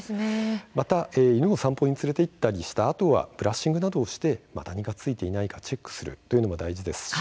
また犬を散歩に連れて行ったあとはブラッシングなどをしてマダニが付いていないかチェックすることも大事です。